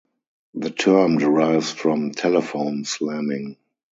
The term derives from telephone slamming.